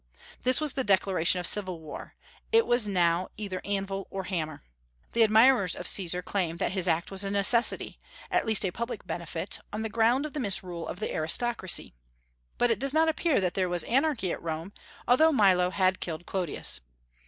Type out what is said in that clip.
This was the declaration of civil war. It was now "'either anvil or hammer." The admirers of Caesar claim that his act was a necessity, at least a public benefit, on the ground of the misrule of the aristocracy. But it does not appear that there was anarchy at Rome, although Milo had killed Clodius.